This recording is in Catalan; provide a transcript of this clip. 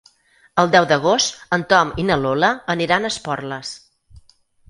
El deu d'agost en Tom i na Lola aniran a Esporles.